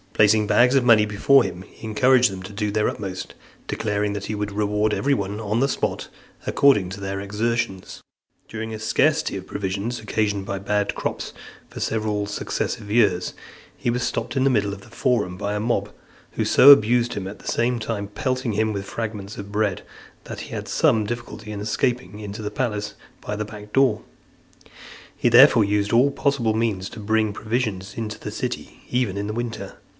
Placing bags of money before him, he encouraged them to do their utmost, declaring, that he would reward every one on the spot, according to their exertions. XIX. During a scarcity of provisions, occasioned by bad crops for several successive years, he was stopped in the middle of the Forum by the mob, who so abused him, at the same time pelting him with fragments of bread, that he had some (311) difficulty in escaping into the palace by a back door. He therefore used all possible means to bring provisions to the city, even in the winter.